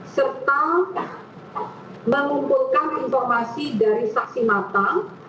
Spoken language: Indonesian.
serta mengumpulkan informasi dari saksi mata